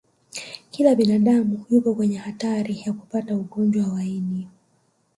kila binadamu yupo kwenye hatari ya kupata ugonjwa wa ini